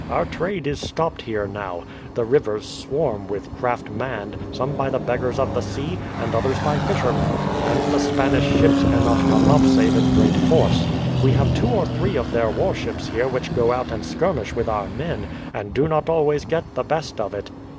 "Our trade is stopped here now. The rivers swarm with craft, manned, some by the beggars of the sea, and others by fishermen; and the Spanish ships cannot come up save in great force. We have two or three of their warships here which go out and skirmish with our men, and do not always get the best of it.